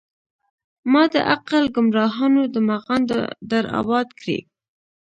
مــــــــا د عـــــــقل ګــــمراهانو د مغان در اباد کړی